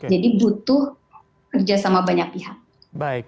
jadi butuh kerjasama banyak pihak